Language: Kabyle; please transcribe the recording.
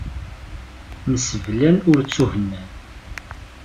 Mseblan ur ttuhennan.